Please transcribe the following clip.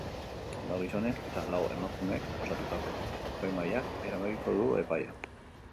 Lau gizonek eta lau emakumek osatutako epaimahaiak erabakiko du epaia.